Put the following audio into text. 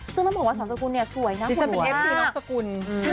ซึ่งต้องบอกว่าสาวสกุลเนี่ยสวยน่ะสวยมากที่จะเป็นเอฟทีนอกสกุลอืม